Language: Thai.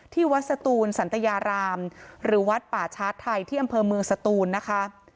ที่วัดสตูนสันตยารามหรือวัดป่าชาร์จไทยที่อำเภอเมืองสตูนนะคะ